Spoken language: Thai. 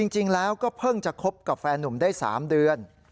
จริงแล้วก็เพิ่งจะคบกับแฟนนุ่มได้๓เดือน